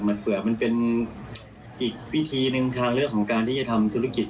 มันเผื่อมันเป็นอีกวิธีหนึ่งทางเลือกของการที่จะทำธุรกิจ